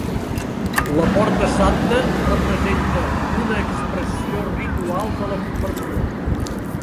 La porta santa representa "una expressió ritual de la conversió".